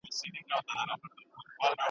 هغه لا هم د افغانستان پر حالاتو څېړنه کوي.